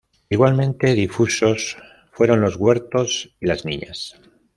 Igualmente difusos fueron los huertos y las viñas.